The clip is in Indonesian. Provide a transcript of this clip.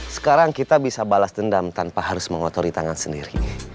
sekarang kita bisa balas dendam tanpa harus mengotori tangan sendiri